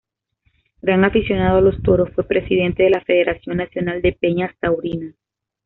Gran aficionado a los toros, fue presidente de la Federación Nacional de Peñas Taurinas.